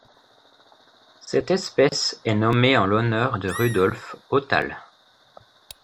Cette espèce est nommée en l'honneur de Rudolph Hauthal.